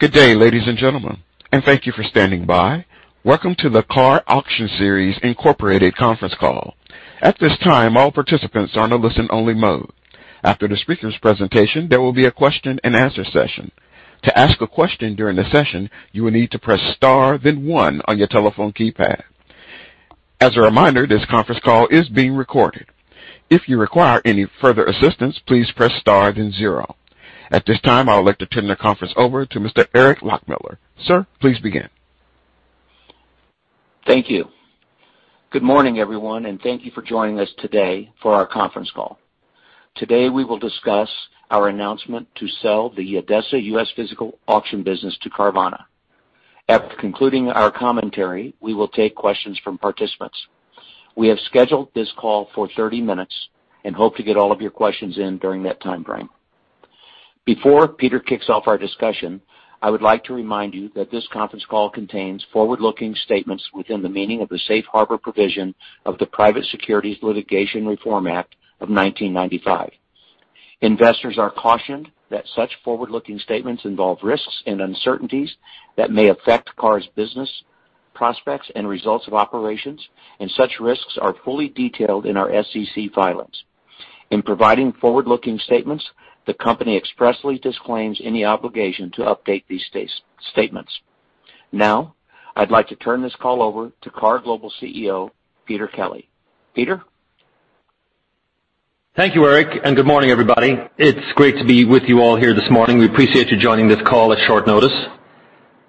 Good day, ladies and gentlemen, and thank you for standing by. Welcome to the KAR Auction Services conference call. At this time, all participants are in a listen-only mode. After the speaker's presentation, there will be a question-and-answer session. To ask a question during the session, you will need to press Star, then one on your telephone keypad. As a reminder, this conference call is being recorded. If you require any further assistance, please press Star, then zero. At this time, I would like to turn the conference over to Eric Loughmiller. Sir, please begin. Thank you. Good morning, everyone, and thank you for joining us today for our conference call. Today, we will discuss our announcement to sell the ADESA U.S. physical auction business to Carvana. After concluding our commentary, we will take questions from participants. We have scheduled this call for 30 minutes and hope to get all of your questions in during that time frame. Before Peter kicks off our discussion, I would like to remind you that this conference call contains forward-looking statements within the meaning of the safe harbor provision of the Private Securities Litigation Reform Act of 1995. Investors are cautioned that such forward-looking statements involve risks and uncertainties that may affect KAR's business prospects and results of operations, and such risks are fully detailed in our SEC filings. In providing forward-looking statements, the company expressly disclaims any obligation to update these statements. Now, I'd like to turn this call over to KAR Global CEO, Peter Kelly. Peter? Thank you, Eric, and good morning, everybody. It's great to be with you all here this morning. We appreciate you joining this call at short notice.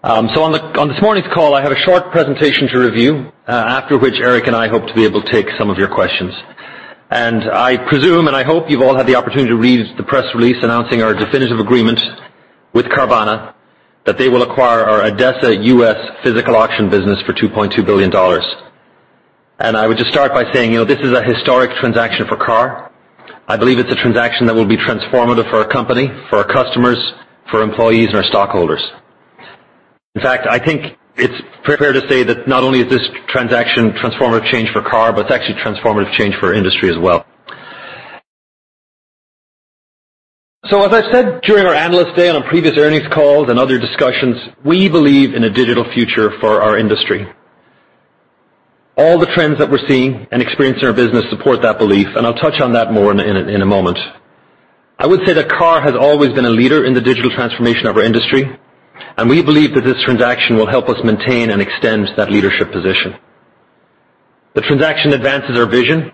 So on this morning's call, I have a short presentation to review, after which Eric and I hope to be able to take some of your questions. I presume, and I hope you've all had the opportunity to read the press release announcing our definitive agreement with Carvana that they will acquire our ADESA U.S. physical auction business for $2.2 billion. I would just start by saying, you know, this is a historic transaction for KAR. I believe it's a transaction that will be transformative for our company, for our customers, for employees and our stockholders. In fact, I think it's fair to say that not only is this transaction a transformative change for KAR, but it's actually a transformative change for our industry as well. As I've said during our Analyst Day on previous earnings calls and other discussions, we believe in a digital future for our industry. All the trends that we're seeing and experiencing in our business support that belief, and I'll touch on that more in a moment. I would say that KAR has always been a leader in the digital transformation of our industry, and we believe that this transaction will help us maintain and extend that leadership position. The transaction advances our vision,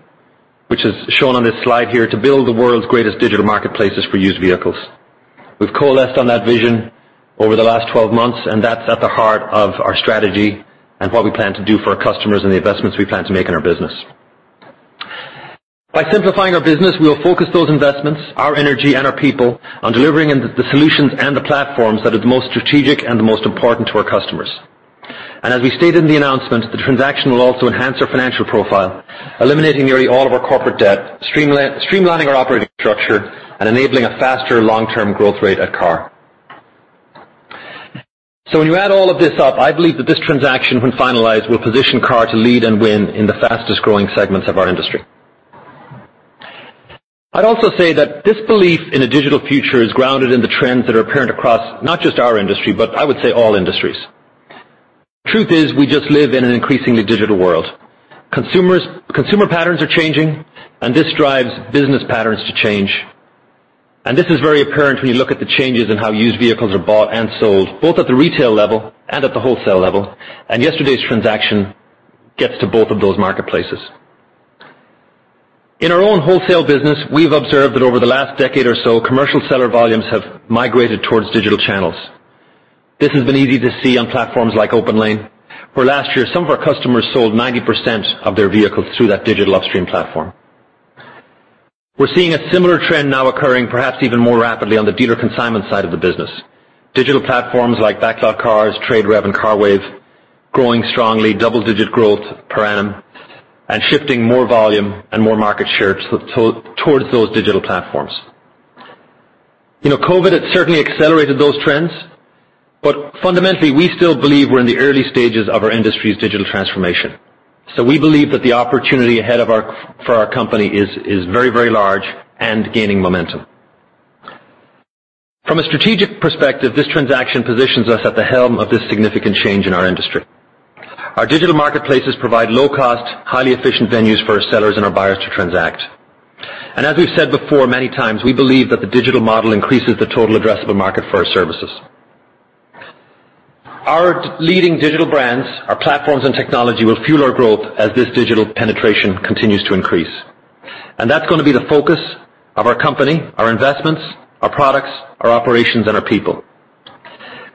which is shown on this slide here, to build the world's greatest digital marketplaces for used vehicles. We've coalesced on that vision over the last 12 months, and that's at the heart of our strategy and what we plan to do for our customers and the investments we plan to make in our business. By simplifying our business, we will focus those investments, our energy and our people on delivering the solutions and the platforms that are the most strategic and the most important to our customers. As we stated in the announcement, the transaction will also enhance our financial profile, eliminating nearly all of our corporate debt, streamlining our operating structure, and enabling a faster long-term growth rate at KAR. When you add all of this up, I believe that this transaction, when finalized, will position KAR to lead and win in the fastest-growing segments of our industry. I'd also say that this belief in a digital future is grounded in the trends that are apparent across not just our industry, but I would say all industries. Truth is, we just live in an increasingly digital world. Consumer patterns are changing, and this drives business patterns to change. This is very apparent when you look at the changes in how used vehicles are bought and sold, both at the retail level and at the wholesale level, and yesterday's transaction gets to both of those marketplaces. In our own wholesale business, we've observed that over the last decade or so, commercial seller volumes have migrated towards digital channels. This has been easy to see on platforms like OPENLANE, where last year some of our customers sold 90% of their vehicles through that digital upstream platform. We're seeing a similar trend now occurring perhaps even more rapidly on the dealer consignment side of the business. Digital platforms like BacklotCars, TradeRev and CARWAVE growing strongly, double-digit growth per annum, and shifting more volume and more market share towards those digital platforms. You know, COVID has certainly accelerated those trends, but fundamentally, we still believe we're in the early stages of our industry's digital transformation. We believe that the opportunity ahead of our company is very, very large and gaining momentum. From a strategic perspective, this transaction positions us at the helm of this significant change in our industry. Our digital marketplaces provide low-cost, highly efficient venues for our sellers and our buyers to transact. As we've said before many times, we believe that the digital model increases the total addressable market for our services. Our leading digital brands, our platforms and technology will fuel our growth as this digital penetration continues to increase. That's gonna be the focus of our company, our investments, our products, our operations and our people.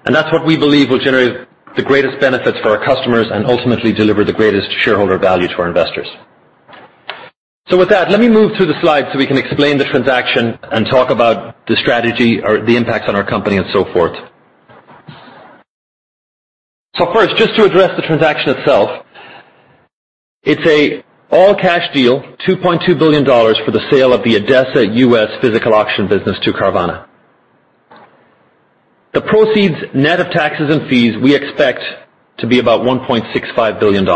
That's what we believe will generate the greatest benefits for our customers and ultimately deliver the greatest shareholder value to our investors. With that, let me move through the slides so we can explain the transaction and talk about the strategy or the impacts on our company and so forth. First, just to address the transaction itself, it's an all-cash deal, $2.2 billion for the sale of the ADESA U.S. physical auction business to Carvana. The proceeds, net of taxes and fees, we expect to be about $1.65 billion.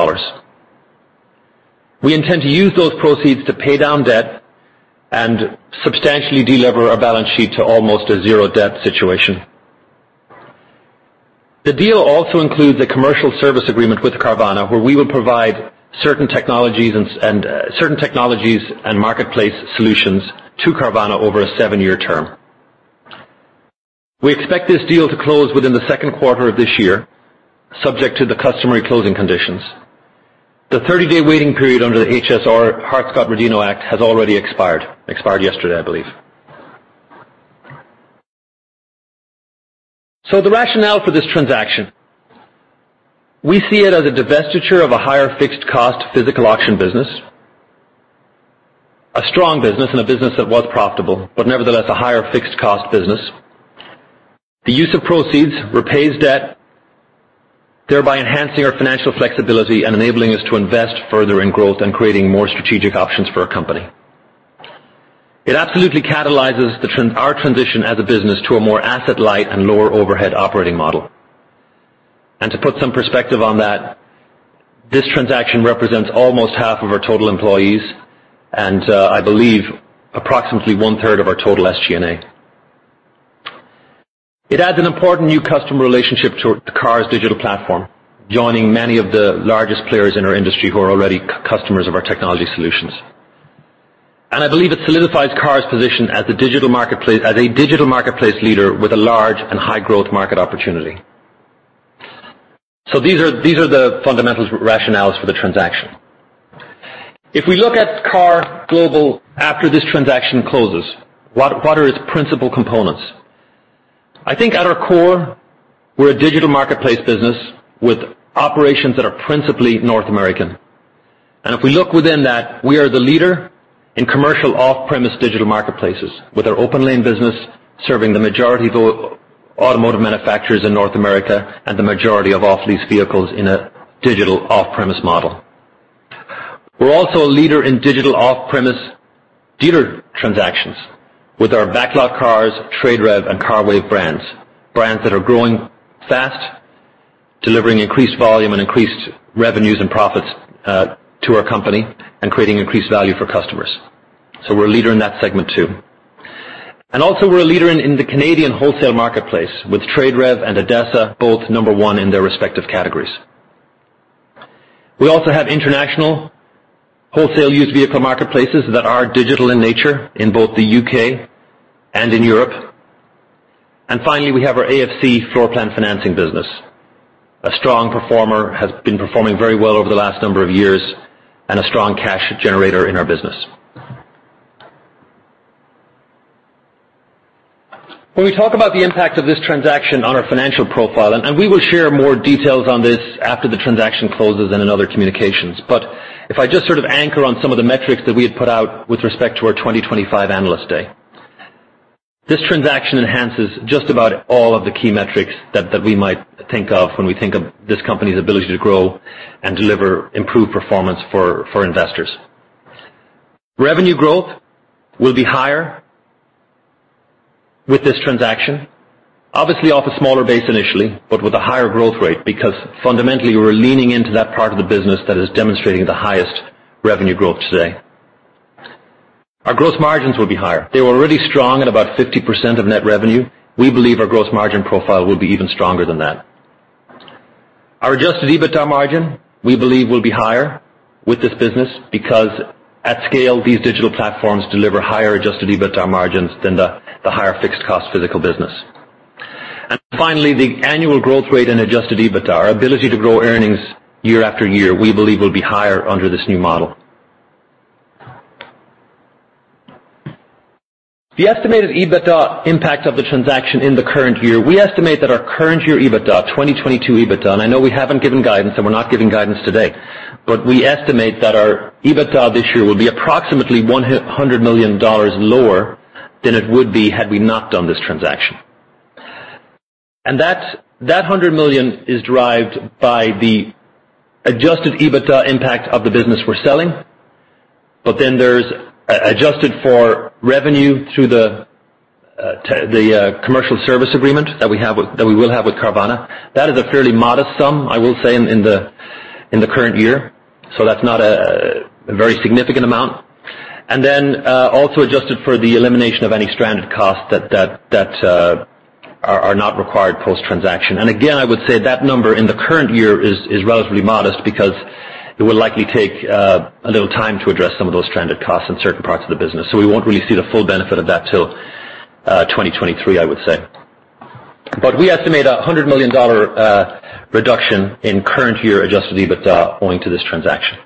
We intend to use those proceeds to pay down debt and substantially delever our balance sheet to almost a zero debt situation. The deal also includes a commercial service agreement with Carvana, where we will provide certain technologies and marketplace solutions to Carvana over a seven-year term. We expect this deal to close within the second quarter of this year, subject to the customary closing conditions. The 30-day waiting period under the HSR, Hart-Scott-Rodino Act, has already expired yesterday, I believe. The rationale for this transaction, we see it as a divestiture of a higher fixed cost physical auction business, a strong business and a business that was profitable, but nevertheless a higher fixed cost business. The use of proceeds repays debt, thereby enhancing our financial flexibility and enabling us to invest further in growth and creating more strategic options for our company. It absolutely catalyzes our transition as a business to a more asset light and lower overhead operating model. To put some perspective on that, this transaction represents almost half of our total employees and I believe approximately one-third of our total SG&A. It adds an important new customer relationship to KAR's digital platform, joining many of the largest players in our industry who are already customers of our technology solutions. I believe it solidifies KAR's position as a digital marketplace leader with a large and high growth market opportunity. These are the fundamentals rationales for the transaction. If we look at KAR Global after this transaction closes, what are its principal components? I think at our core, we're a digital marketplace business with operations that are principally North American. If we look within that, we are the leader in commercial off-premise digital marketplaces with our OPENLANE business serving the majority of automotive manufacturers in North America and the majority of off-lease vehicles in a digital off-premise model. We're also a leader in digital off-premise dealer transactions with our BacklotCars, TradeRev, and CarWave brands that are growing fast, delivering increased volume and increased revenues and profits to our company and creating increased value for customers. We're a leader in that segment too. We're a leader in the Canadian wholesale marketplace with TradeRev and ADESA both number one in their respective categories. We also have international wholesale used vehicle marketplaces that are digital in nature in both the U.K. and in Europe. Finally, we have our AFC floorplan financing business. A strong performer, has been performing very well over the last number of years, and a strong cash generator in our business. When we talk about the impact of this transaction on our financial profile, we will share more details on this after the transaction closes and in other communications. If I just sort of anchor on some of the metrics that we had put out with respect to our 2025 Analyst Day, this transaction enhances just about all of the key metrics that we might think of when we think of this company's ability to grow and deliver improved performance for investors. Revenue growth will be higher with this transaction. Obviously off a smaller base initially, but with a higher growth rate because fundamentally we're leaning into that part of the business that is demonstrating the highest revenue growth today. Our gross margins will be higher. They were already strong at about 50% of net revenue. We believe our gross margin profile will be even stronger than that. Our adjusted EBITDA margin, we believe, will be higher with this business because at scale, these digital platforms deliver higher adjusted EBITDA margins than the higher fixed cost physical business. Finally, the annual growth rate in adjusted EBITDA, our ability to grow earnings year after year, we believe will be higher under this new model. The estimated EBITDA impact of the transaction in the current year, we estimate that our current year EBITDA, 2022 EBITDA, and I know we haven't given guidance, and we're not giving guidance today, but we estimate that our EBITDA this year will be approximately $100 million lower than it would be had we not done this transaction. That $100 million is derived by the adjusted EBITDA impact of the business we're selling. Then it's adjusted for revenue through the commercial service agreement that we will have with Carvana. That is a fairly modest sum, I will say, in the current year, so that's not a very significant amount. Then it's also adjusted for the elimination of any stranded costs that are not required post-transaction. Again, I would say that number in the current year is relatively modest because it will likely take a little time to address some of those stranded costs in certain parts of the business. We won't really see the full benefit of that till 2023, I would say. We estimate a $100 million reduction in current year adjusted EBITDA owing to this transaction.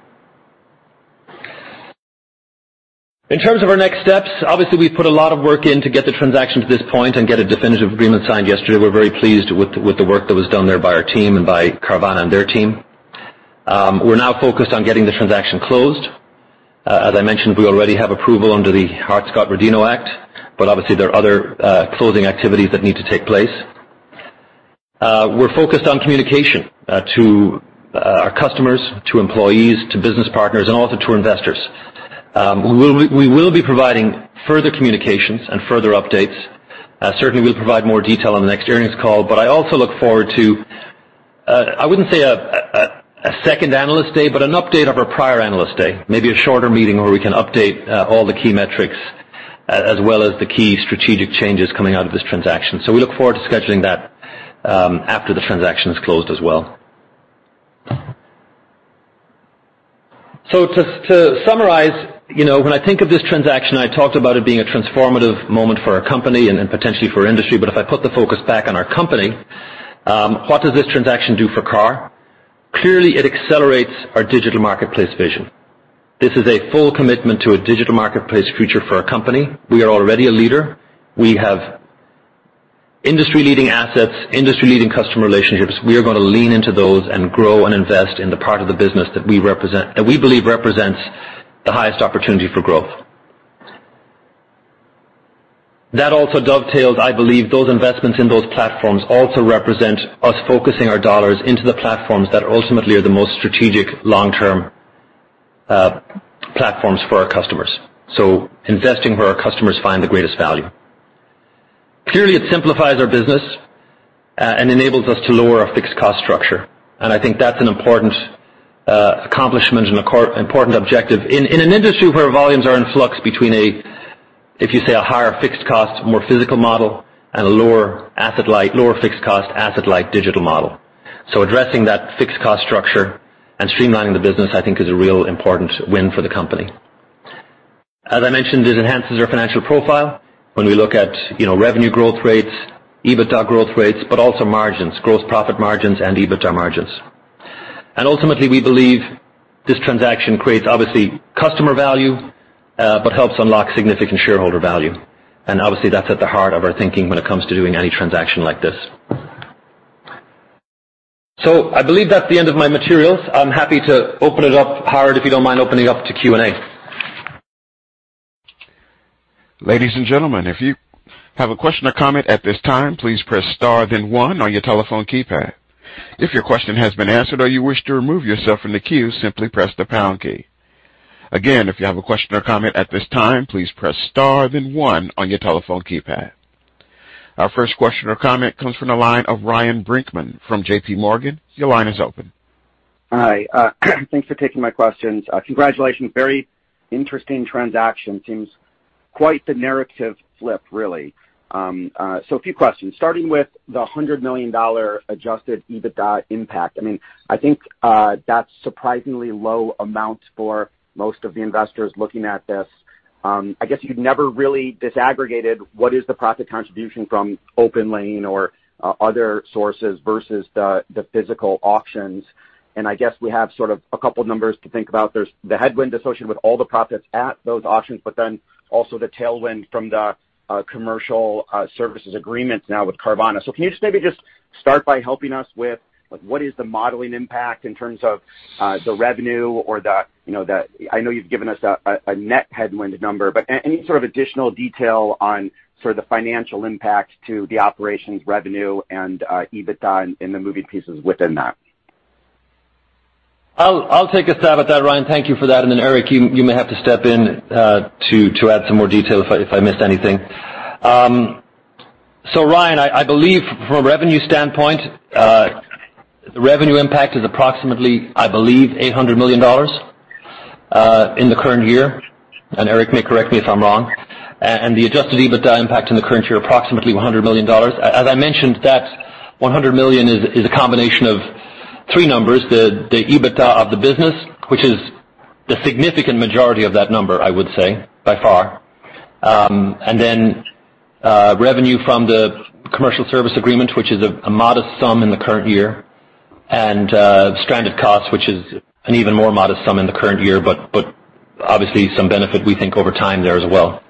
In terms of our next steps, obviously we've put a lot of work in to get the transaction to this point and get a definitive agreement signed yesterday. We're very pleased with the work that was done there by our team and by Carvana and their team. We're now focused on getting the transaction closed. As I mentioned, we already have approval under the Hart-Scott-Rodino Act, but obviously there are other closing activities that need to take place. We're focused on communication to our customers, to employees, to business partners, and also to investors. We will be providing further communications and further updates. Certainly we'll provide more detail on the next earnings call, but I also look forward to I wouldn't say a second analyst day, but an update of our prior analyst day, maybe a shorter meeting where we can update all the key metrics as well as the key strategic changes coming out of this transaction. We look forward to scheduling that after the transaction is closed as well. To summarize, you know, when I think of this transaction, I talked about it being a transformative moment for our company and potentially for industry. If I put the focus back on our company, what does this transaction do for KAR? Clearly, it accelerates our digital marketplace vision. This is a full commitment to a digital marketplace future for our company. We are already a leader. We have industry-leading assets, industry-leading customer relationships. We are gonna lean into those and grow and invest in the part of the business that we represent that we believe represents the highest opportunity for growth. That also dovetails, I believe, those investments in those platforms also represent us focusing our dollars into the platforms that ultimately are the most strategic long-term platforms for our customers, investing where our customers find the greatest value. Clearly, it simplifies our business and enables us to lower our fixed cost structure, and I think that's an important accomplishment and important objective in an industry where volumes are in flux between a, if you say, a higher fixed cost, more physical model, and a lower asset light, lower fixed cost asset light digital model. Addressing that fixed cost structure and streamlining the business, I think is a real important win for the company. As I mentioned, this enhances our financial profile when we look at, you know, revenue growth rates, EBITDA growth rates, but also margins, gross profit margins and EBITDA margins. Ultimately, we believe this transaction creates obviously customer value, but helps unlock significant shareholder value. Obviously, that's at the heart of our thinking when it comes to doing any transaction like this. I believe that's the end of my materials. I'm happy to open it up. Howard, if you don't mind opening it up to Q&A. Ladies and gentlemen, if you have a question or comment at this time, please press star then one on your telephone keypad. If your question has been answered or you wish to remove yourself from the queue, simply press the pound key. Again, if you have a question or comment at this time, please press star then one on your telephone keypad. Our first question or comment comes from the line of Ryan Brinkman from JPMorgan. Your line is open. Hi. Thanks for taking my questions. Congratulations. Very interesting transaction. Seems quite the narrative flip, really. A few questions, starting with the $100 million adjusted EBITDA impact. I mean, I think that's surprisingly low amount for most of the investors looking at this. I guess you'd never really disaggregated what is the profit contribution from OPENLANE or other sources versus the physical auctions, and I guess we have sort of a couple numbers to think about. There's the headwind associated with all the profits at those auctions, but then also the tailwind from the commercial services agreements now with Carvana. Can you just maybe just start by helping us with, like, what is the modeling impact in terms of the revenue or the, you know, the... I know you've given us a net headwind number, but any sort of additional detail on sort of the financial impact to the operations revenue and EBITDA and the moving pieces within that? I'll take a stab at that, Ryan. Thank you for that. Then, Eric, you may have to step in to add some more detail if I missed anything. Ryan, I believe from a revenue standpoint the revenue impact is approximately $800 million in the current year, and Eric may correct me if I'm wrong. The adjusted EBITDA impact in the current year, approximately $100 million. As I mentioned, that $100 million is a combination of three numbers, the EBITDA of the business, which is the significant majority of that number, I would say, by far. Revenue from the commercial service agreement, which is a modest sum in the current year, and stranded costs, which is an even more modest sum in the current year. Obviously some benefit we think over time there as well.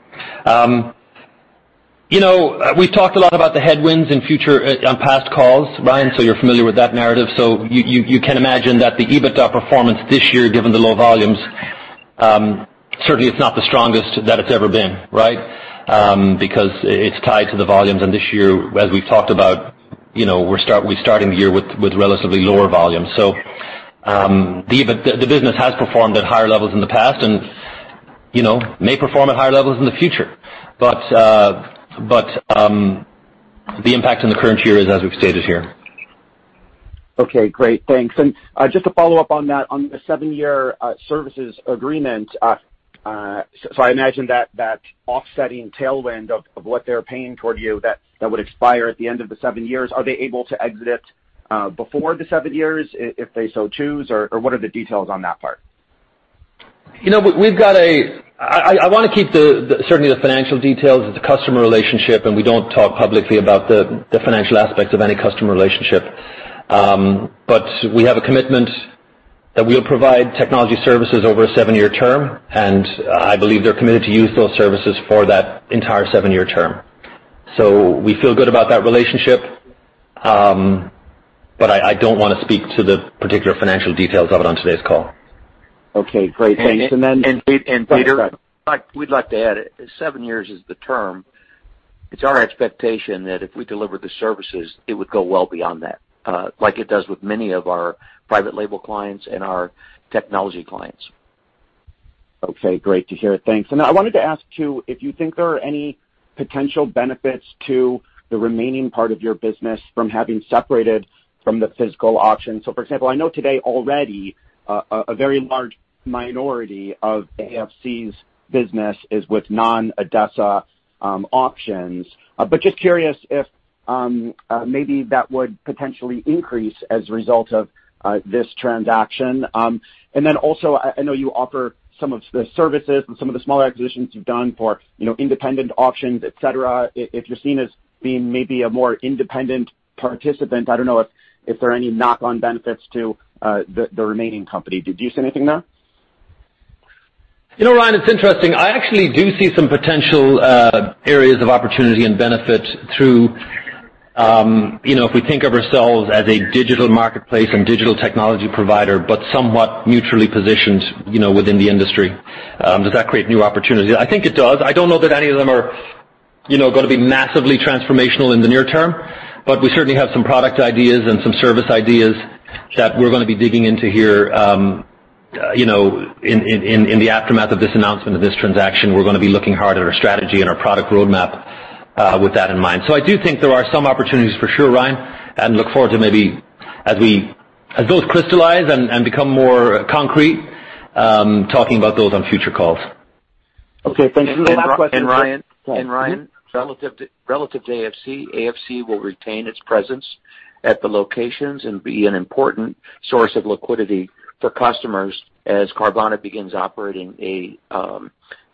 You know, we've talked a lot about the headwinds in the future on past calls, Ryan, so you're familiar with that narrative. You can imagine that the EBITDA performance this year, given the low volumes, certainly it's not the strongest that it's ever been, right? Because it's tied to the volumes. This year, as we've talked about, you know, we're starting the year with relatively lower volumes. The EBITDA, the business has performed at higher levels in the past and, you know, may perform at higher levels in the future. The impact in the current year is as we've stated here. Okay, great. Thanks. Just to follow up on that, on the seven-year services agreement, so I imagine that offsetting tailwind of what they're paying toward you that would expire at the end of the seven years, are they able to exit before the seven years if they so choose, or what are the details on that part? You know, I wanna keep the, certainly, the financial details of the customer relationship, and we don't talk publicly about the financial aspects of any customer relationship. We have a commitment that we'll provide technology services over a seven-year term, and I believe they're committed to use those services for that entire seven-year term. We feel good about that relationship, but I don't wanna speak to the particular financial details of it on today's call. Okay, great. Thanks. And, and Pete, and Peter- Sorry. We'd like to add, seven years is the term. It's our expectation that if we deliver the services, it would go well beyond that, like it does with many of our private label clients and our technology clients. Okay, great to hear. Thanks. I wanted to ask, too, if you think there are any potential benefits to the remaining part of your business from having separated from the physical auction. For example, I know today already a very large minority of AFC's business is with non-ADESA auctions. But just curious if maybe that would potentially increase as a result of this transaction. And then also, I know you offer some of the services and some of the smaller acquisitions you've done for independent auctions, et cetera. If you're seen as being maybe a more independent participant, I don't know if there are any knock-on benefits to the remaining company. Did you see anything there? You know, Ryan, it's interesting. I actually do see some potential areas of opportunity and benefit through, you know, if we think of ourselves as a digital marketplace and digital technology provider, but somewhat mutually positioned, you know, within the industry, does that create new opportunities? I think it does. I don't know that any of them are, you know, gonna be massively transformational in the near term, but we certainly have some product ideas and some service ideas that we're gonna be digging into here, you know, in the aftermath of this announcement of this transaction, we're gonna be looking hard at our strategy and our product roadmap, with that in mind. I do think there are some opportunities for sure, Ryan, and look forward to maybe as those crystallize and become more concrete, talking about those on future calls. Okay, thanks. Ryan- Ryan. Sorry. Ryan. Yeah. Relative to AFC will retain its presence at the locations and be an important source of liquidity for customers as Carvana begins operating a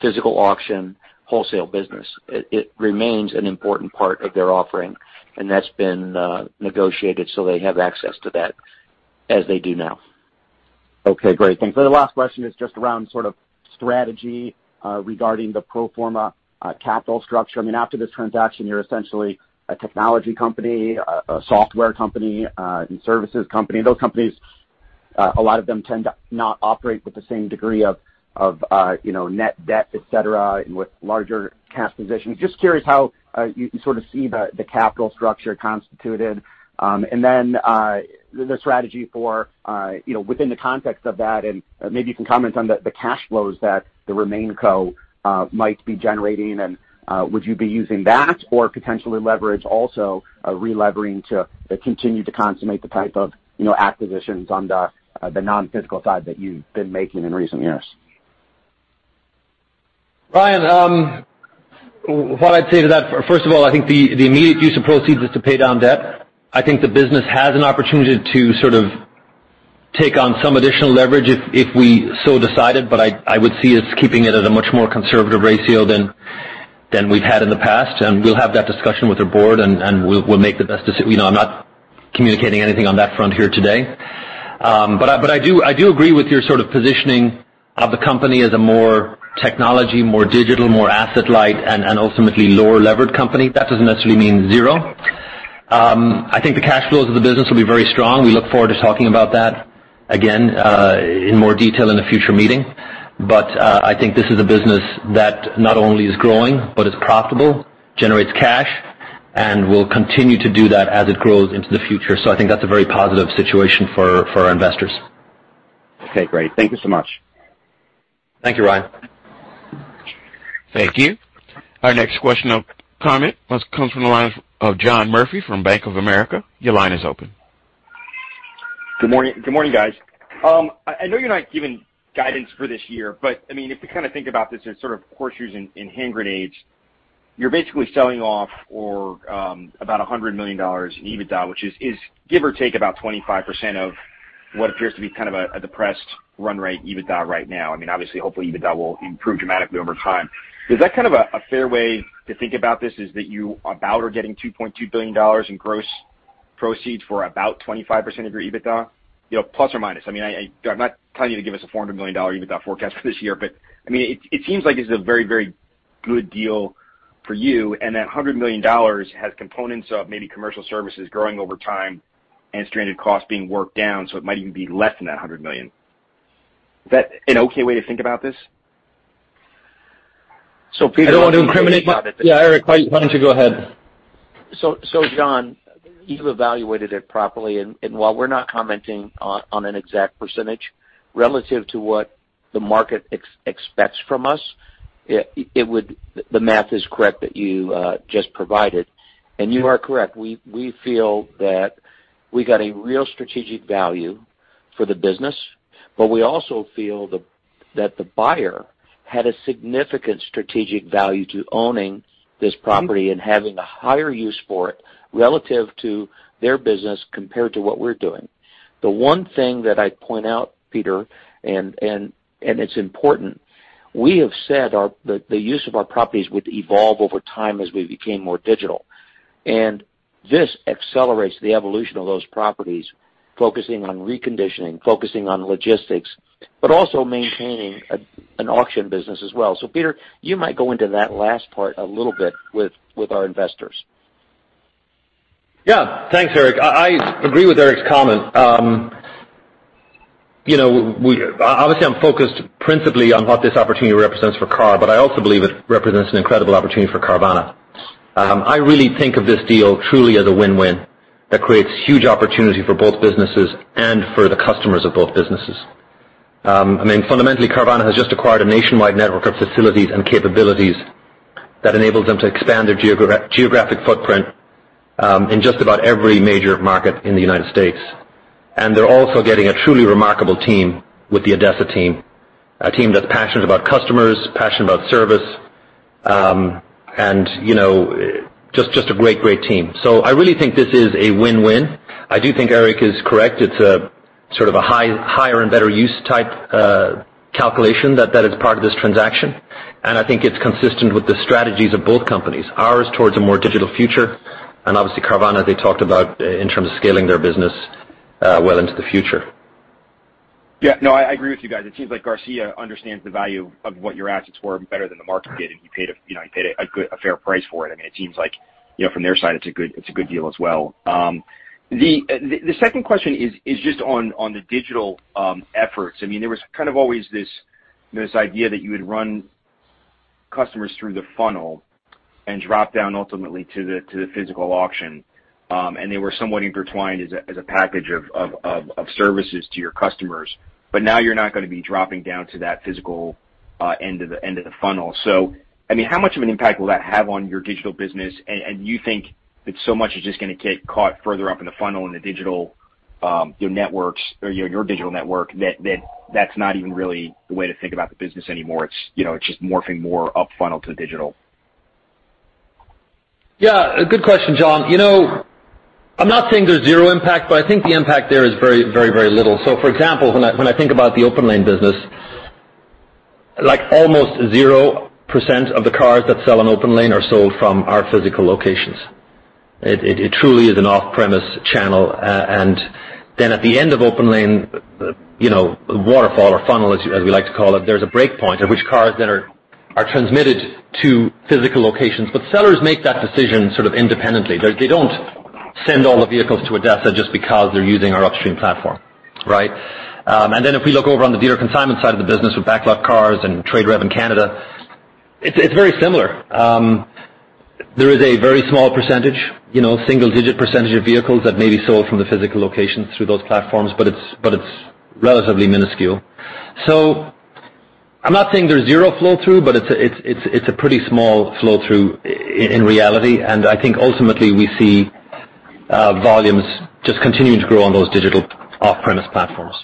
physical auction wholesale business. It remains an important part of their offering, and that's been negotiated, so they have access to that as they do now. Okay, great. Thanks. The last question is just around sort of strategy regarding the pro forma capital structure. I mean, after this transaction, you're essentially a technology company, a software company, and services company. Those companies, a lot of them tend to not operate with the same degree of, you know, net debt, et cetera, and with larger cash positions. Just curious how you can sort of see the capital structure constituted, and then the strategy for, you know, within the context of that, and maybe you can comment on the cash flows that the RemainCo might be generating, and would you be using that or potentially leverage also a relevering to continue to consummate the type of, you know, acquisitions on the non-physical side that you've been making in recent years? Ryan, what I'd say to that, first of all, I think the immediate use of proceeds is to pay down debt. I think the business has an opportunity to sort of take on some additional leverage if we so decided, but I would see us keeping it at a much more conservative ratio than we've had in the past, and we'll have that discussion with our board, and we'll make the best you know, I'm not communicating anything on that front here today. But I do agree with your sort of positioning of the company as a more technology, more digital, more asset-light and ultimately lower levered company. That doesn't necessarily mean zero. I think the cash flows of the business will be very strong. We look forward to talking about that again in more detail in a future meeting. I think this is a business that not only is growing but is profitable, generates cash, and will continue to do that as it grows into the future. I think that's a very positive situation for our investors. Okay, great. Thank you so much. Thank you, Ryan. Thank you. Our next question or comment must come from the line of John Murphy from Bank of America. Your line is open. Good morning. Good morning, guys. I know you're not giving guidance for this year, but, I mean, if we kinda think about this in sort of horseshoes and hand grenades, you're basically selling off or about $100 million in EBITDA, which is give or take about 25% of what appears to be kind of a depressed run rate EBITDA right now. I mean, obviously, hopefully, EBITDA will improve dramatically over time. Is that kind of a fair way to think about this, is that you are about or getting $2.2 billion in gross proceeds for about 25% of your EBITDA? You know, plus or minus. I mean, I'm not telling you to give us a $400 million EBITDA forecast for this year, but, I mean, it seems like this is a very, very good deal for you, and that $100 million has components of maybe commercial services growing over time and stranded costs being worked down, so it might even be less than that $100 million. Is that an okay way to think about this? I don't want to incriminate my. Peter. Yeah, Eric, why don't you go ahead? John, you've evaluated it properly, and while we're not commenting on an exact percentage relative to what the market expects from us, it would be. The math is correct that you just provided. You are correct. We feel that we got a real strategic value for the business, but we also feel that the buyer had a significant strategic value to owning this property and having a higher use for it relative to their business compared to what we're doing. The one thing that I'd point out, Peter, and it's important, we have said the use of our properties would evolve over time as we became more digital. This accelerates the evolution of those properties, focusing on reconditioning, focusing on logistics, but also maintaining an auction business as well. Peter, you might go into that last part a little bit with our investors. Yeah. Thanks, Eric. I agree with Eric's comment. You know, obviously I'm focused principally on what this opportunity represents for KAR, but I also believe it represents an incredible opportunity for Carvana. I really think of this deal truly as a win-win. That creates huge opportunity for both businesses and for the customers of both businesses. I mean, fundamentally, Carvana has just acquired a nationwide network of facilities and capabilities that enables them to expand their geographic footprint in just about every major market in the United States. They're also getting a truly remarkable team with the ADESA team, a team that's passionate about customers, passionate about service, and you know, just a great team. I really think this is a win-win. I do think Eric is correct. It's a sort of a higher and better use type calculation that is part of this transaction. I think it's consistent with the strategies of both companies. Ours towards a more digital future, and obviously Carvana, they talked about in terms of scaling their business, well into the future. Yeah. No, I agree with you guys. It seems like Garcia understands the value of what your assets were better than the market did, and he paid a, you know, a good, fair price for it. I mean, it seems like, you know, from their side, it's a good deal as well. The second question is just on the digital efforts. I mean, there was kind of always this idea that you would run customers through the funnel and drop down ultimately to the physical auction. They were somewhat intertwined as a package of services to your customers. Now you're not gonna be dropping down to that physical end of the funnel. I mean, how much of an impact will that have on your digital business? You think that so much is just gonna get caught further up in the funnel in the digital, your networks or your digital network that that's not even really the way to think about the business anymore. It's, you know, it's just morphing more up funnel to digital. Yeah, a good question, John. You know, I'm not saying there's zero impact, but I think the impact there is very little. For example, when I think about the OPENLANE business, like almost 0% of the cars that sell on OPENLANE are sold from our physical locations. It truly is an off-premise channel. Then at the end of OPENLANE, you know, waterfall or funnel as we like to call it, there's a break point at which cars that are transmitted to physical locations, but sellers make that decision sort of independently. They don't send all the vehicles to ADESA just because they're using our upstream platform, right? Then if we look over on the dealer consignment side of the business with BacklotCars and TradeRev in Canada, it's very similar. There is a very small percentage, you know, single-digit percentage of vehicles that may be sold from the physical locations through those platforms, but it's relatively minuscule. So I'm not saying there's zero flow through, but it's a pretty small flow through in reality. I think ultimately we see volumes just continuing to grow on those digital off-premise platforms.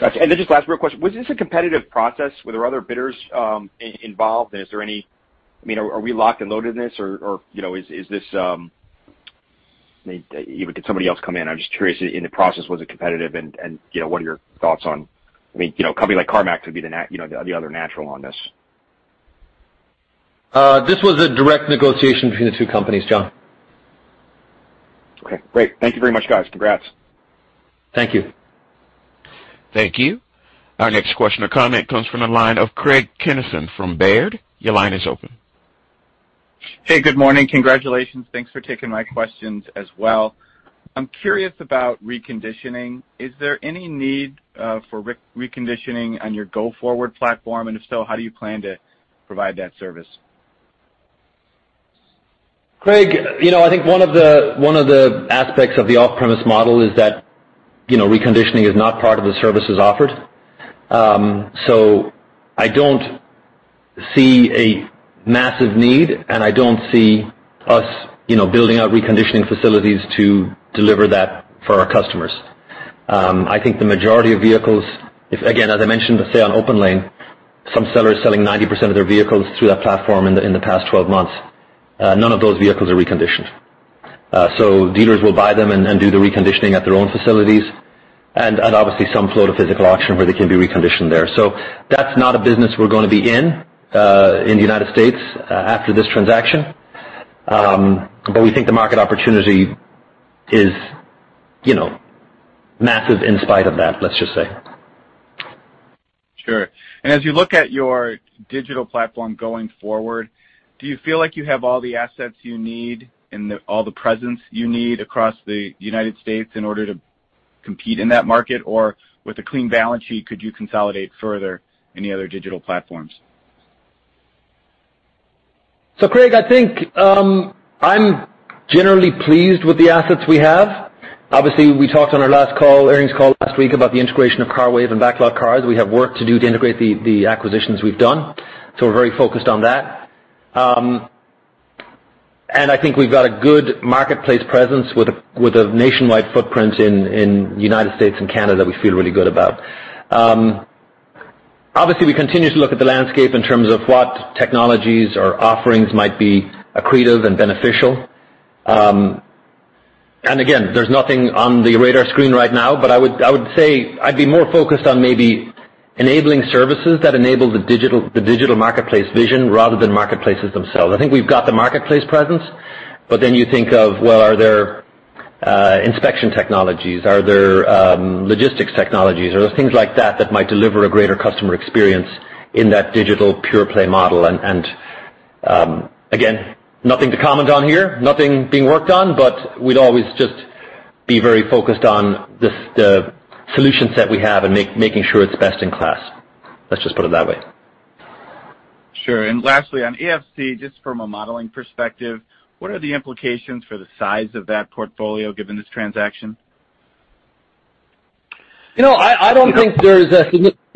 Got you. Just last quick question. Was this a competitive process? Were there other bidders involved? Is there any? I mean, are we locked and loaded in this or you know, is this I mean, could somebody else come in? I'm just curious in the process, was it competitive and you know, what are your thoughts on, I mean, you know, a company like CarMax would be you know, the other natural on this. This was a direct negotiation between the two companies, John. Okay, great. Thank you very much, guys. Congrats. Thank you. Thank you. Our next question or comment comes from the line of Craig Kennison from Baird. Your line is open. Hey, good morning. Congratulations. Thanks for taking my questions as well. I'm curious about reconditioning. Is there any need for reconditioning on your go-forward platform? If so, how do you plan to provide that service? Craig, you know, I think one of the aspects of the off-premise model is that, you know, reconditioning is not part of the services offered. I don't see a massive need, and I don't see us, you know, building out reconditioning facilities to deliver that for our customers. I think the majority of vehicles, if, again, as I mentioned, let's say on OPENLANE, some sellers selling 90% of their vehicles through that platform in the past 12 months, none of those vehicles are reconditioned. Dealers will buy them and do the reconditioning at their own facilities and obviously some flow to physical auction where they can be reconditioned there. That's not a business we're gonna be in the United States after this transaction. We think the market opportunity is, you know, massive in spite of that, let's just say. Sure. As you look at your digital platform going forward, do you feel like you have all the assets you need and all the presence you need across the United States in order to compete in that market? Or with a clean balance sheet, could you consolidate further any other digital platforms? Craig, I think, I'm generally pleased with the assets we have. Obviously, we talked on our last call, earnings call last week about the integration of CARWAVE and BacklotCars. We have work to do to integrate the acquisitions we've done, so we're very focused on that. I think we've got a good marketplace presence with a nationwide footprint in the United States and Canada, we feel really good about. Obviously, we continue to look at the landscape in terms of what technologies or offerings might be accretive and beneficial. Again, there's nothing on the radar screen right now, but I would say I'd be more focused on maybe enabling services that enable the digital marketplace vision rather than marketplaces themselves. I think we've got the marketplace presence, but then you think of, well, are there inspection technologies? Are there logistics technologies? Are there things like that that might deliver a greater customer experience in that digital pure play model? Again, nothing to comment on here, nothing being worked on, but we'd always just be very focused on the solution set we have and making sure it's best in class. Let's just put it that way. Sure. Lastly, on AFC, just from a modeling perspective, what are the implications for the size of that portfolio given this transaction? You know, I don't think there's a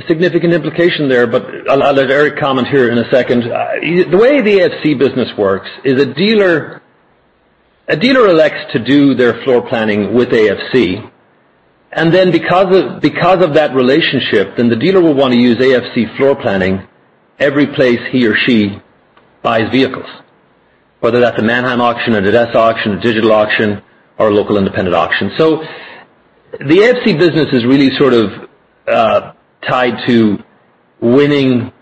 significant implication there, but I'll let Eric comment here in a second. The way the AFC business works is a dealer elects to do their floor planning with AFC. Then because of that relationship, the dealer will want to use AFC floor planning every place he or she buys vehicles, whether that's a Manheim auction or a ADESA auction, a digital auction or a local independent auction. The AFC business is really sort of tied to winning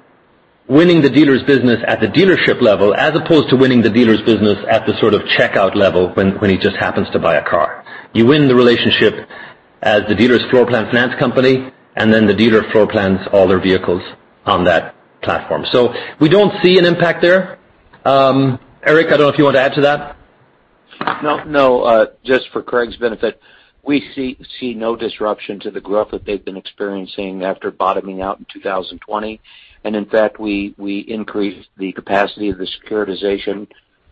the dealer's business at the dealership level as opposed to winning the dealer's business at the sort of checkout level when he just happens to buy a car. You win the relationship as the dealer's floor plan finance company, and then the dealer floor plans all their vehicles on that platform. We don't see an impact there. Eric, I don't know if you want to add to that. No, no. Just for Craig's benefit, we see no disruption to the growth that they've been experiencing after bottoming out in 2020. In fact, we increased the capacity of the securitization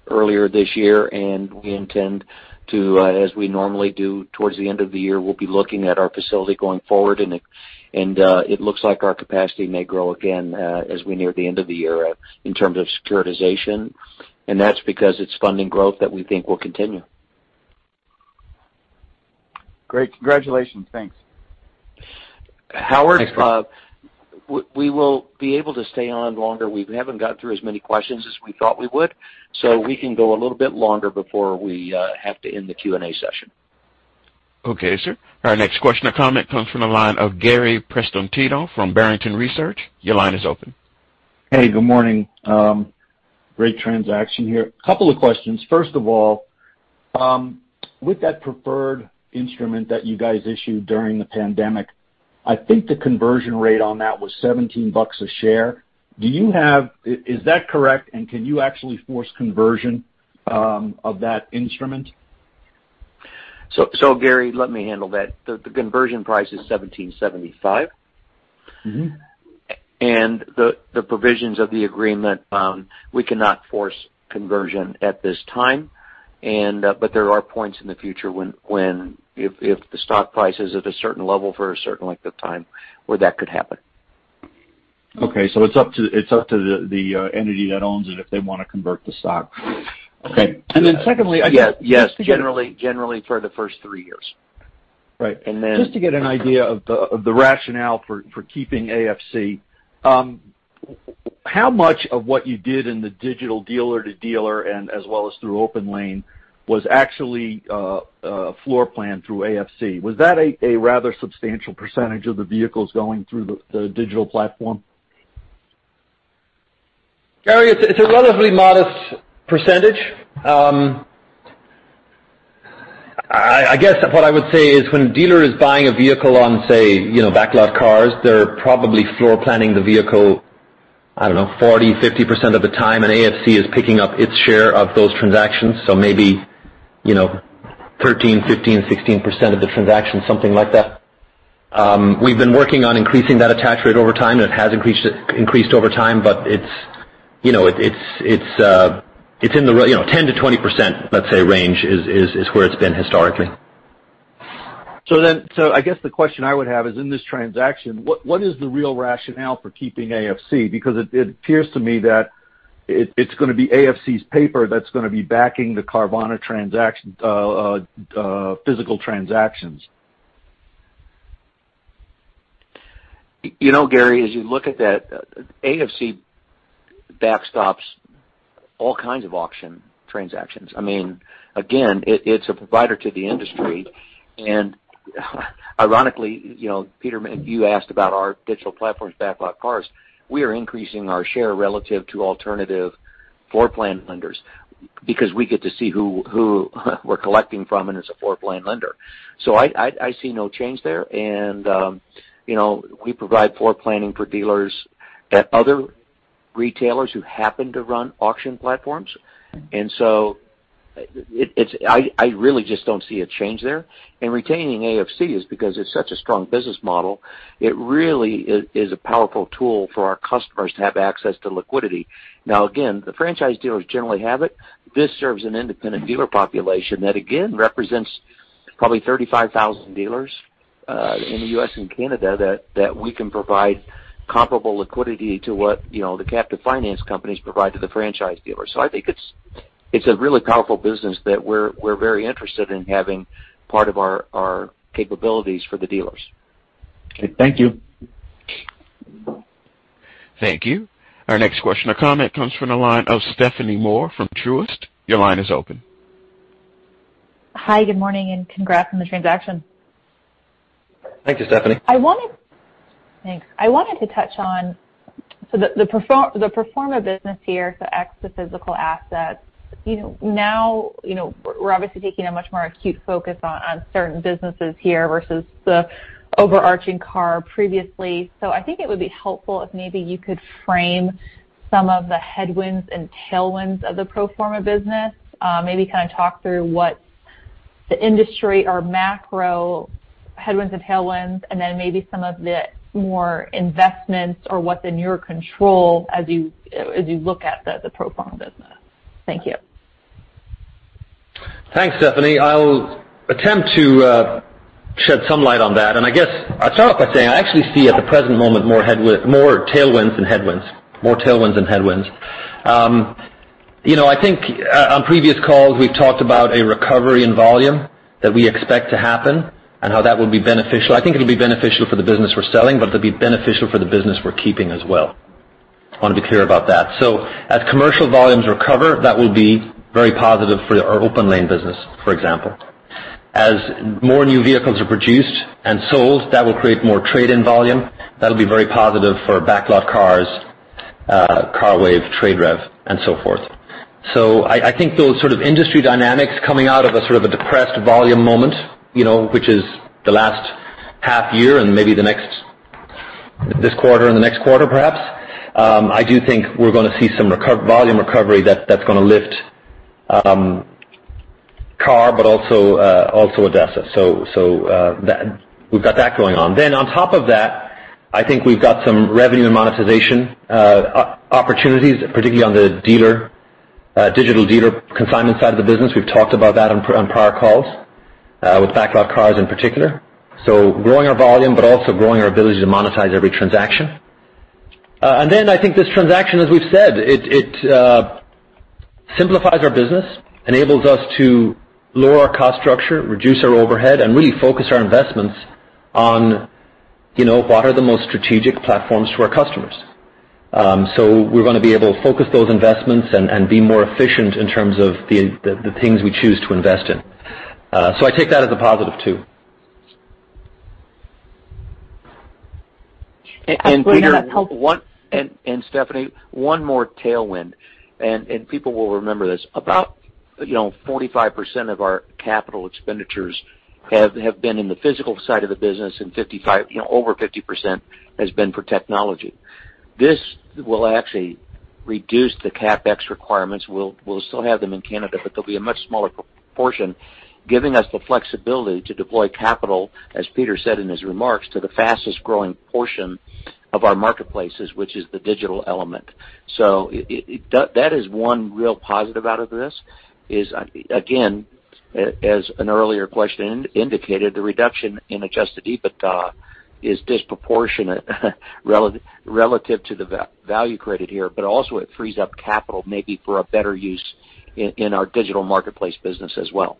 earlier this year, and we intend to, as we normally do toward the end of the year, we'll be looking at our facility going forward, and it looks like our capacity may grow again, as we near the end of the year in terms of securitization. That's because it's funding growth that we think will continue. Great. Congratulations. Thanks. Howard- Thanks, Craig. We will be able to stay on longer. We haven't gotten through as many questions as we thought we would, so we can go a little bit longer before we have to end the Q&A session. Okay, sir. Our next question or comment comes from the line of Gary Prestopino from Barrington Research. Your line is open. Hey, good morning. Great transaction here. Couple of questions. First of all, with that preferred instrument that you guys issued during the pandemic, I think the conversion rate on that was $17 a share. Is that correct? Can you actually force conversion of that instrument? Gary, let me handle that. The conversion price is $17.75. Mm-hmm. The provisions of the agreement, we cannot force conversion at this time. But there are points in the future when if the stock price is at a certain level for a certain length of time where that could happen. Okay. It's up to the entity that owns it if they want to convert the stock. Okay. Secondly, I just. Yes. Generally for the first three years. Right. And then- Just to get an idea of the rationale for keeping AFC, how much of what you did in the digital dealer-to-dealer and as well as through OPENLANE was actually floor planned through AFC? Was that a rather substantial percentage of the vehicles going through the digital platform? Gary, it's a relatively modest percentage. I guess what I would say is when a dealer is buying a vehicle on, say, you know, BacklotCars, they're probably floor planning the vehicle, I don't know, 40%, 50% of the time, and AFC is picking up its share of those transactions. Maybe, you know, 13%, 15%, 16% of the transaction, something like that. We've been working on increasing that attach rate over time, and it has increased over time, but it's, you know, it's in the 10%-20%, let's say, range is where it's been historically. I guess the question I would have is, in this transaction, what is the real rationale for keeping AFC? Because it appears to me that it's gonna be AFC's paper that's gonna be backing the Carvana transaction, physical transactions. You know, Gary, as you look at that, AFC backstops all kinds of auction transactions. I mean, again, it's a provider to the industry. Ironically, you know, Peter, you asked about our digital platforms, BacklotCars. We are increasing our share relative to alternative floorplan lenders because we get to see who we're collecting from, and it's a floorplan lender. I see no change there. You know, we provide floorplan financing for dealers at other retailers who happen to run auction platforms. I really just don't see a change there. Retaining AFC is because it's such a strong business model. It really is a powerful tool for our customers to have access to liquidity. Now, again, the franchise dealers generally have it. This serves an independent dealer population that again represents probably 35,000 dealers in the U.S. and Canada that we can provide comparable liquidity to what, you know, the captive finance companies provide to the franchise dealers. I think it's a really powerful business that we're very interested in having part of our capabilities for the dealers. Okay. Thank you. Thank you. Our next question or comment comes from the line of Stephanie Moore from Truist. Your line is open. Hi, good morning, and congrats on the transaction. Thank you, Stephanie. Thanks. I wanted to touch on the pro forma business here, so ex the physical assets, you know, now, you know, we're obviously taking a much more acute focus on certain businesses here versus the overarching KAR previously. I think it would be helpful if maybe you could frame some of the headwinds and tailwinds of the pro forma business. Maybe kind of talk through what the industry or macro headwinds and tailwinds, and then maybe some of the more investments or what's in your control as you look at the pro forma business. Thank you. Thanks, Stephanie. I'll attempt to shed some light on that. I guess I'll start off by saying I actually see at the present moment more tailwinds than headwinds. You know, I think on previous calls, we've talked about a recovery in volume that we expect to happen and how that will be beneficial. I think it'll be beneficial for the business we're selling, but it'll be beneficial for the business we're keeping as well. I want to be clear about that. As commercial volumes recover, that will be very positive for our OPENLANE business, for example. As more new vehicles are produced and sold, that will create more trade-in volume. That'll be very positive for BacklotCars, CARWAVE, TradeRev, and so forth. I think those sort of industry dynamics coming out of a sort of a depressed volume moment, which is the last half year and maybe the next, this quarter and the next quarter, perhaps. I do think we're gonna see some volume recovery that's gonna lift KAR, but also ADESA. We've got that going on. On top of that, I think we've got some revenue and monetization opportunities, particularly on the dealer digital dealer consignment side of the business. We've talked about that on prior calls with BacklotCars in particular. Growing our volume, but also growing our ability to monetize every transaction. I think this transaction, as we've said, it simplifies our business, enables us to lower our cost structure, reduce our overhead, and really focus our investments on, you know, what are the most strategic platforms to our customers. We're gonna be able to focus those investments and be more efficient in terms of the things we choose to invest in. I take that as a positive too. Peter and Stephanie, one more tailwind, and people will remember this. About, you know, 45% of our capital expenditures have been in the physical side of the business, and 55%, you know, over 50% has been for technology. This will actually reduce the CapEx requirements. We'll still have them in Canada, but they'll be a much smaller portion, giving us the flexibility to deploy capital, as Peter said in his remarks, to the fastest-growing portion of our marketplaces, which is the digital element. That is one real positive out of this, as an earlier question indicated, the reduction in adjusted EBITDA is disproportionate relative to the value created here, but also it frees up capital maybe for a better use in our digital marketplace business as well.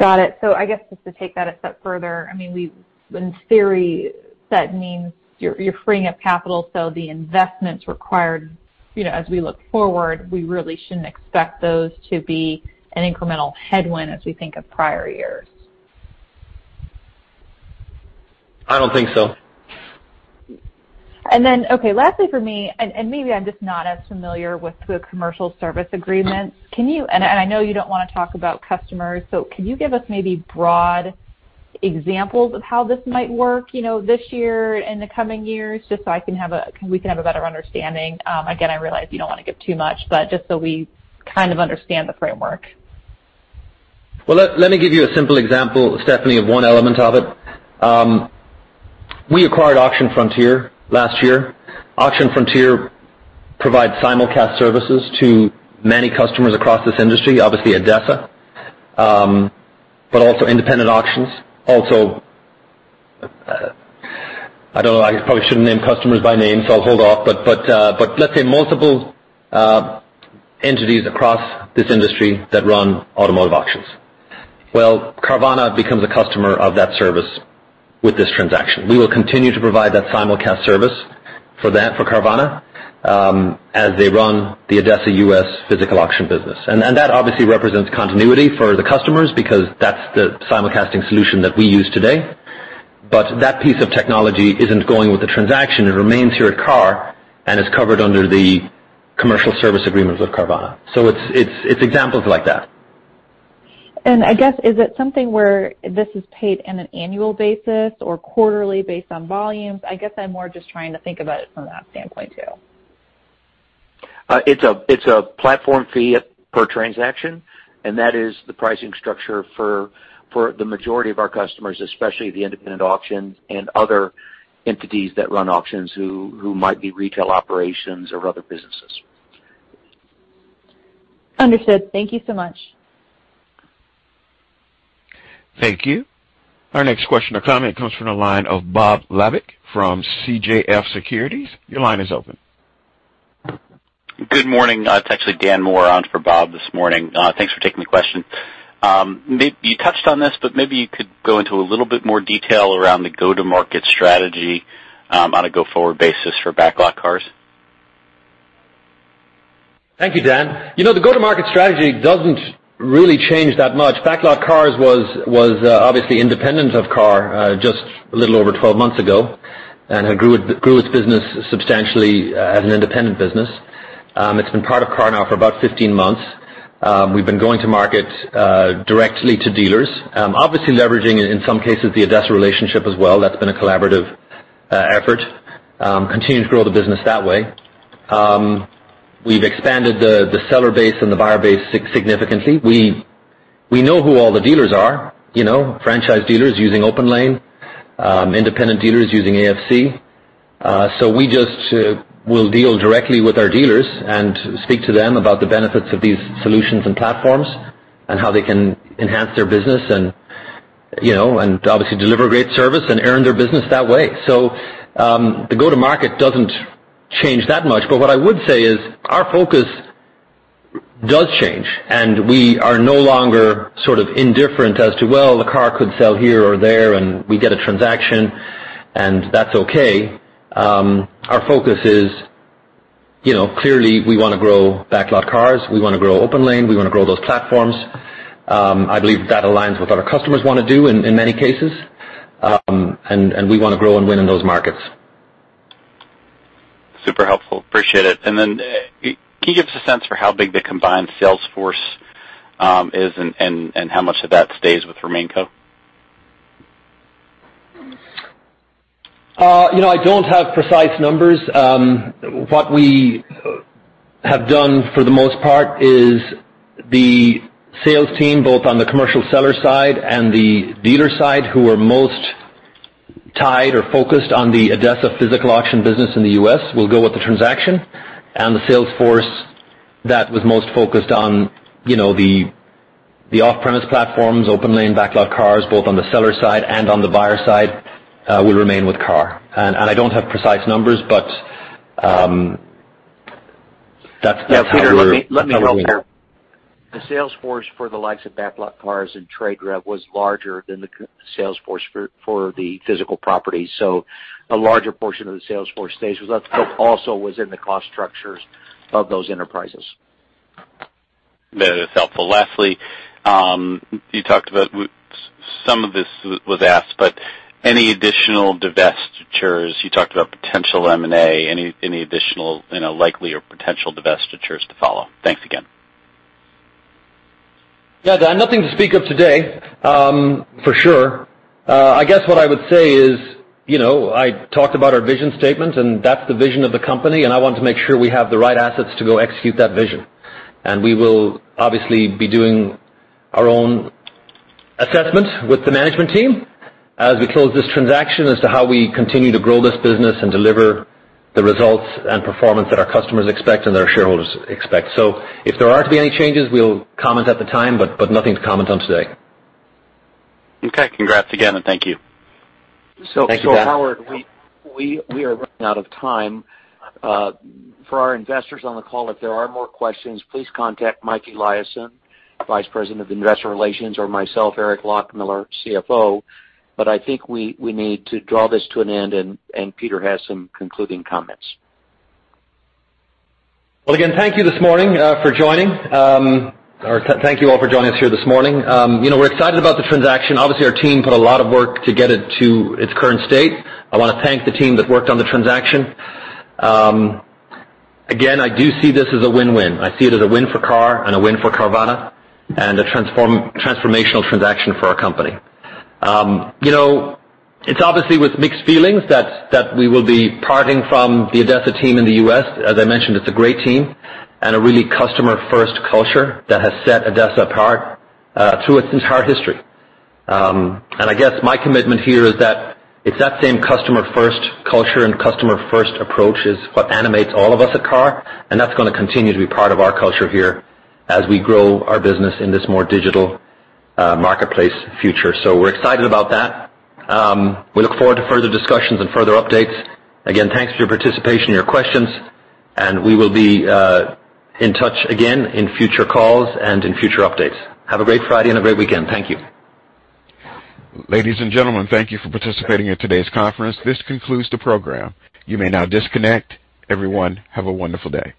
Got it. I guess just to take that a step further, I mean, we in theory, that means you're freeing up capital, so the investments required, you know, as we look forward, we really shouldn't expect those to be an incremental headwind as we think of prior years. I don't think so. Okay, lastly for me, and maybe I'm just not as familiar with the commercial service agreements. I know you don't wanna talk about customers, so can you give us maybe broad examples of how this might work, you know, this year, in the coming years, just so we can have a better understanding? Again, I realize you don't wanna give too much, but just so we kind of understand the framework. Well, let me give you a simple example, Stephanie, of one element of it. We acquired Auction Frontier last year. Auction Frontier provides simulcast services to many customers across this industry, obviously ADESA, but also independent auctions. Also, I don't know, I probably shouldn't name customers by name, so I'll hold off, but let's say multiple entities across this industry that run automotive auctions. Well, Carvana becomes a customer of that service with this transaction. We will continue to provide that simulcast service for Carvana as they run the ADESA U.S. physical auction business. That obviously represents continuity for the customers because that's the simulcasting solution that we use today. That piece of technology isn't going with the transaction. It remains here at KAR and is covered under the commercial service agreement with Carvana. It's examples like that. I guess, is it something where this is paid in an annual basis or quarterly based on volumes? I guess I'm more just trying to think about it from that standpoint too. It's a platform fee per transaction, and that is the pricing structure for the majority of our customers, especially the independent auctions and other entities that run auctions who might be retail operations or other businesses. Understood. Thank you so much. Thank you. Our next question or comment comes from the line of Bob Labick from CJS Securities. Your line is open. Good morning. It's actually Dan Moore on for Bob this morning. Thanks for taking the question. You touched on this, but maybe you could go into a little bit more detail around the go-to-market strategy on a go-forward basis for BacklotCars. Thank you, Dan. You know, the go-to-market strategy doesn't really change that much. BacklotCars was obviously independent of KAR just a little over 12 months ago and grew its business substantially as an independent business. It's been part of KAR now for about 15 months. We've been going to market directly to dealers, obviously leveraging in some cases the ADESA relationship as well. That's been a collaborative effort to continue to grow the business that way. We've expanded the seller base and the buyer base significantly. We know who all the dealers are, you know, franchise dealers using OPENLANE, independent dealers using AFC. We just, we'll deal directly with our dealers and speak to them about the benefits of these solutions and platforms and how they can enhance their business and, you know, and obviously deliver great service and earn their business that way. The go-to-market doesn't change that much. What I would say is our focus does change, and we are no longer sort of indifferent as to, well, the car could sell here or there, and we get a transaction, and that's okay. Our focus is, you know, clearly we wanna grow BacklotCars, we wanna grow OPENLANE, we wanna grow those platforms. I believe that aligns with what our customers wanna do in many cases. We wanna grow and win in those markets. Super helpful. Appreciate it. Can you give us a sense for how big the combined sales force is and how much of that stays with RemainCo? you know, I don't have precise numbers. What we have done for the most part is the sales team, both on the commercial seller side and the dealer side, who are most tied or focused on the ADESA physical auction business in the U.S. will go with the transaction and the sales force that was most focused on, you know, the off-premise platforms, OPENLANE, BacklotCars, both on the seller side and on the buyer side, will remain with KAR. I don't have precise numbers, but that's how we're. The sales force for the likes of BacklotCars and TradeRev was larger than the KAR sales force for the physical property. A larger portion of the sales force stays with us, but also was in the cost structures of those enterprises. That is helpful. Lastly, you talked about some of this was asked, but any additional divestitures? You talked about potential M&A. Any additional, you know, likely or potential divestitures to follow? Thanks again. Yeah. Nothing to speak of today, for sure. I guess what I would say is, you know, I talked about our vision statement, and that's the vision of the company, and I want to make sure we have the right assets to go execute that vision. We will obviously be doing our own assessment with the management team as we close this transaction as to how we continue to grow this business and deliver the results and performance that our customers expect and our shareholders expect. If there are to be any changes, we'll comment at the time, but nothing to comment on today. Okay. Congrats again, and thank you. Thank you, Dan. Howard, we are running out of time. For our investors on the call, if there are more questions, please contact Mike Eliason, Vice President of Investor Relations, or myself, Eric Loughmiller, CFO. I think we need to draw this to an end, and Peter has some concluding comments. Well, again, thank you this morning for joining. Thank you all for joining us here this morning. You know, we're excited about the transaction. Obviously, our team put a lot of work to get it to its current state. I wanna thank the team that worked on the transaction. Again, I do see this as a win-win. I see it as a win for KAR and a win for Carvana and a transformational transaction for our company. You know, it's obviously with mixed feelings that we will be parting from the ADESA team in the U.S. As I mentioned, it's a great team and a really customer-first culture that has set ADESA apart through its entire history. I guess my commitment here is that it's that same customer-first culture and customer-first approach is what animates all of us at KAR, and that's gonna continue to be part of our culture here as we grow our business in this more digital marketplace future. We're excited about that. We look forward to further discussions and further updates. Again, thanks for your participation, your questions, and we will be in touch again in future calls and in future updates. Have a great Friday and a great weekend. Thank you. Ladies and gentlemen, thank you for participating in today's conference. This concludes the program. You may now disconnect. Everyone, have a wonderful day.